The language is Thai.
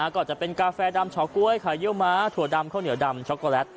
ก็จะเป็นกาแฟดำเฉาก๊วยไข่เยี่ยวม้าถั่วดำข้าวเหนียวดำช็อกโกแลต